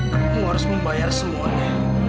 kamu harus membayar semuanya